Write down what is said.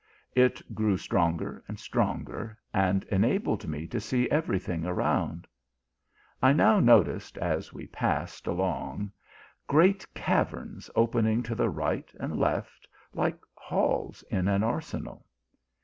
Jt grew stronger and stronger, and enabled me to see every thing around. 1 now no ticed as we passed along, great caverns opening to the right and left, like halls in an arsenal.